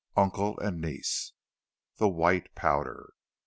UNCLE AND NIECE. XXVI. THE WHITE POWDER.